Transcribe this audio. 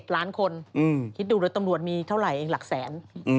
ล้านคนคิดดูเลยตำรวจมีเท่าไหร่เองหลักแสน